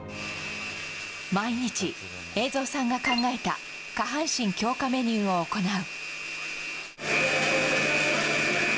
毎日、栄造さんが考えた下半身強化メニューを行う。